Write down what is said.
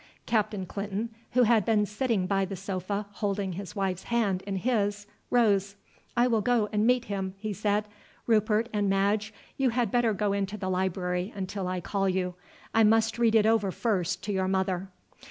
Captain Clinton, who had been sitting by the sofa holding his wife's hand in his, rose. "I will go and meet him," he said. "Rupert and Madge, you had better go into the library until I call you. I must read it over first to your mother."